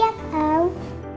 sama cium ya om